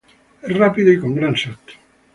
Es rápido y con gran salto.